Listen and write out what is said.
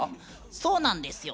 そうなんですよ。